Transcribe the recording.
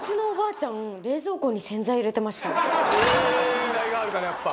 信頼があるからやっぱ。